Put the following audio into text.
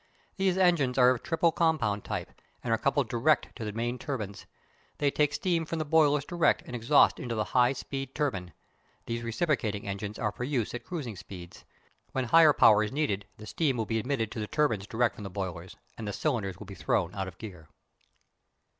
These engines are of triple compound type, and are coupled direct to the main turbines. They take steam from the boilers direct and exhaust into the high pressure turbine. These reciprocating engines are for use at cruising speeds. When higher power is needed the steam will be admitted to the turbines direct from the boilers, and the cylinders be thrown out of gear.